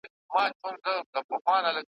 له بل وي ورکه د مرګي چاره `